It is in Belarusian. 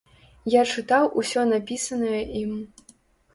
Я чытаў усё напісанае ім.